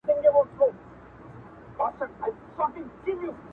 ښخ کړﺉ هدیره کي ما د هغو مېړنو تر څنګ,